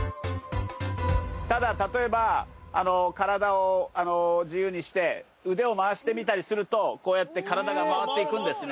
ただ例えば体を自由にして腕を回してみたりするとこうやって体が回っていくんですね